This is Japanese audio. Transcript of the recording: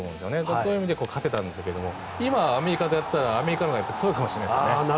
そういう意味で勝てたんですけど今、アメリカとやったらアメリカのほうが強いかもしれないですよね